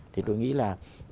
thì tôi nghĩ là